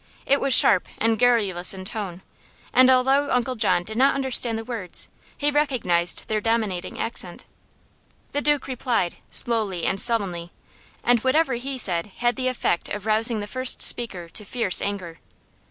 It was sharp and garrulous in tone, and although Uncle John did not understand the words he recognized their dominating accent. The Duke replied, slowly and sullenly, and whatever he said had the effect of rousing the first speaker to fierce anger.